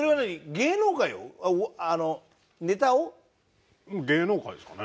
芸能界ですかね。